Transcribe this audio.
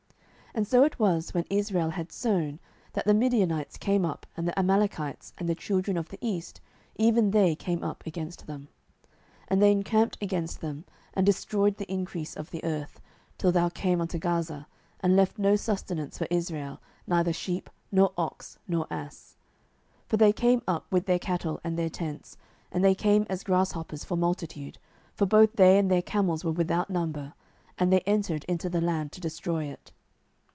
07:006:003 And so it was, when Israel had sown, that the Midianites came up, and the Amalekites, and the children of the east, even they came up against them; 07:006:004 And they encamped against them, and destroyed the increase of the earth, till thou come unto Gaza, and left no sustenance for Israel, neither sheep, nor ox, nor ass. 07:006:005 For they came up with their cattle and their tents, and they came as grasshoppers for multitude; for both they and their camels were without number: and they entered into the land to destroy it.